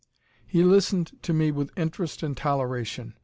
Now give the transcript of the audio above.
He listened to me with interest and toleration.